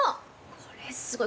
これすごい。